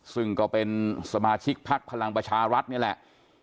ซึ่งก็เป็นสมาชิกพักพลังประชารัฐนี่แหละ